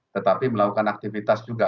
tetapi melakukan aktivitas di luar